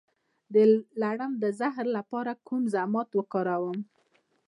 د لړم د زهر لپاره کوم ضماد وکاروم؟